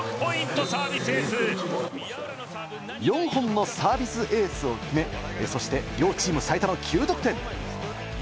４本のサービスエースを決め、そして両チーム最多の９得点。